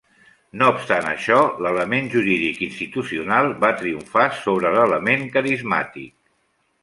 No obstant això, l'element jurídic i institucional va triomfar sobre l'element carismàtic.